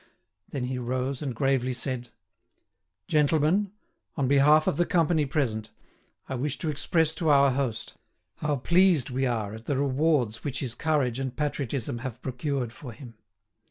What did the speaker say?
Then he rose and gravely said: "Gentlemen, on behalf of the company present, I wish to express to our host how pleased we are at the rewards which his courage and patriotism have procured for him.